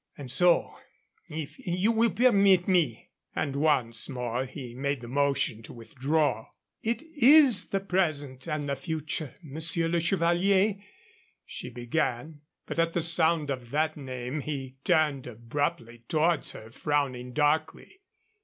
And so, if you will permit me," and once more he made the motion to withdraw. "It is the present and the future, Monsieur le Chevalier," she began. But at the sound of that name he turned abruptly towards her, frowning darkly.